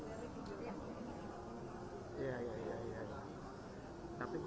menteri menteri ya yang datang ya